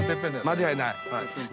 間違いない。